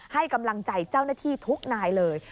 ให้กำลังใจเจ้าหน้าที่ทุกนายเลย